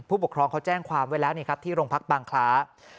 ผู้ปกครองเขาแจ้งความไว้แล้วนี่ครับที่โรงพักบางคล้า